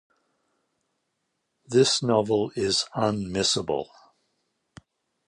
This novel is unmissable.